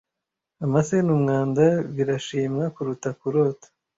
Amase numwanda birashimwa kuruta kurota ,